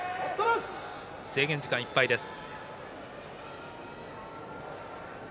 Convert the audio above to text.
制限時間いっぱいです。